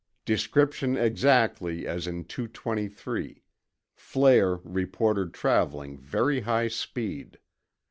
description exactly as in 223 ... flare reported traveling very high speed